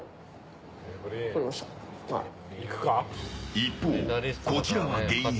一方、こちらは現役。